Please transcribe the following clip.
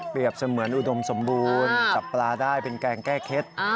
เสมือนอุดมสมบูรณ์จับปลาได้เป็นแกงแก้เคล็ด